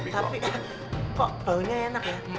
tapi kok baunya enak ya